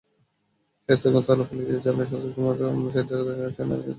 শায়েস্তাগঞ্জ থানার পুলিশ জানায়, সনজিৎ কুমার শায়েস্তাগঞ্জ রেলস্টেশন এলাকায় চায়ের ব্যবসা করতেন।